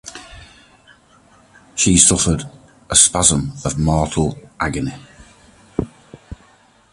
She suffered a spasm of mortal agony.